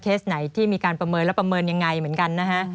เคสไหนที่มีการประเมินแล้วประเมินอย่างไรเหมือนกัน